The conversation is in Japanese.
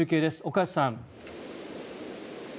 岡安さん。